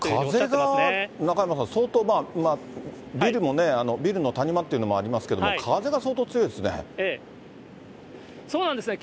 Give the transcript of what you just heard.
風が、中山さん、相当、ビルもね、ビルの谷間というのもありますけども、そうなんですね。